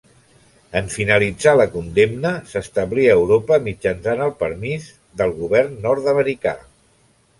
En finalitzar la condemna s'establí a Europa mitjançant el permís del Govern nord-americà.